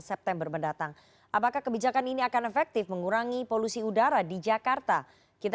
september mendatang apakah kebijakan ini akan efektif mengurangi polusi udara di jakarta kita